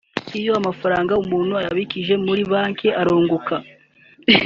Iyo amafaranga umuntu ayabikije muri banki arunguka